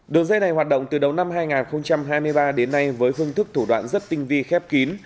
đường dây này hoạt động từ đầu năm hai nghìn hai mươi ba đến nay với phương thức thủ đoạn rất tinh vi khép kín